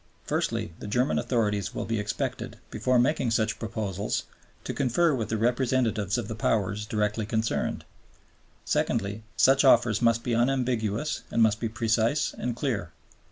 "Firstly, the German authorities will be expected, before making such proposals, to confer with the representatives of the Powers directly concerned. Secondly, such offers must be unambiguous and must be precise and clear.